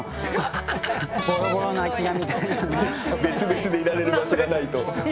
別々でいられる場所がないと。